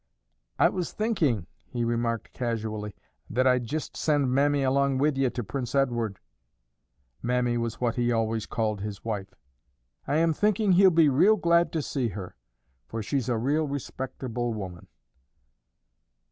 "I was thinking," he remarked casually, "that I'd jist send Mammy along with ye to Prince Edward." (Mammy was what he always called his wife.) "I am thinking he'll be real glad to see her, for she's a real respectable woman."